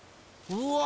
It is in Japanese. うわ。